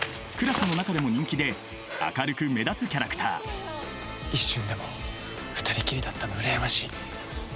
クラスの中でも人気で明るく目立つキャラクター一瞬でも２人きりだったの羨ましい。